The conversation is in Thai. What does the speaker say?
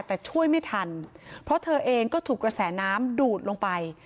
แต่ช่วยไม่ทันเพราะเธอเองก็ถูกกระแสน้ำดูดลงไป